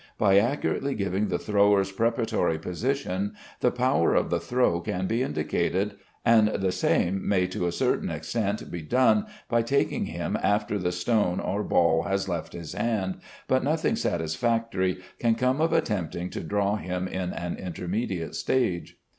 By accurately giving the thrower's preparatory position, the power of the throw can be indicated; and the same may to a certain extent be done by taking him after the stone or ball has left his hand, but nothing satisfactory can come of attempting to draw him in an intermediate stage.